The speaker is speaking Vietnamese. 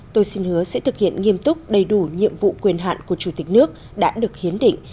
tôi xin hứa sẽ thực hiện nghiêm túc đầy đủ nhiệm vụ quyền hạn của chủ tịch nước đã được hiến định